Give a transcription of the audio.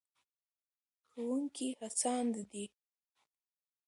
ښوونکي هڅاند دي.